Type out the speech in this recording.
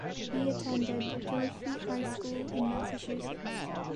He attended Durfee High School in Massachusetts.